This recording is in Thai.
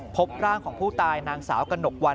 พบร่างของผู้ตายนางสาวกระหนกวัน